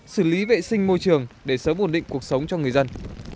xử lý vệ sinh môi trường để sớm ổn định cuộc sống cho người dân